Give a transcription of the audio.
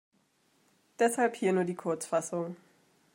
Deshalb hier nur die Kurzfassung.